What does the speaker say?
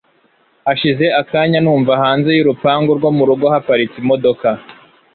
hashize akanya numva hanze yurupangu rwo murugo haparitse imodoka